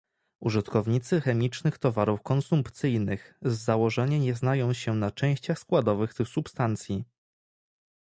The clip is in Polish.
Użytkownicy chemicznych towarów konsumpcyjnych z założenia nie znają się na częściach składowych tych substancji